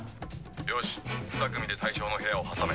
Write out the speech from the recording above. よしふた組で対象の部屋を挟め。